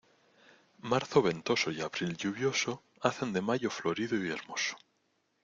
Marzo ventoso y abril lluvioso hacen de mayo florido y hermoso.